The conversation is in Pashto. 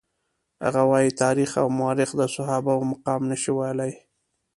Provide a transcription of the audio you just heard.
هغه وايي تاریخ او مورخ د صحابه وو مقام نشي ویلای.